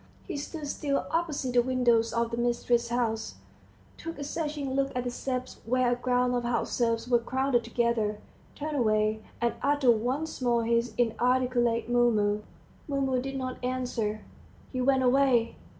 He stood still opposite the windows of the mistress's house, took a searching look at the steps where a group of house serfs were crowded together, turned away, and uttered once more his inarticulate "Mumu." Mumu did not answer. He went away.